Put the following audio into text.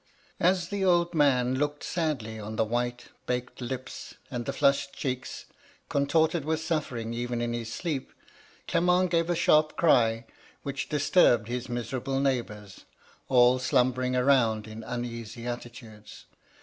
As the old man looked sadly on the white, baked lips, and the flushed cheeks, contorted with suffering even in his sleep, Clement gave a sharp cry, which disturbed his miserable neighbours, all slumbering around in uneasy attitudes.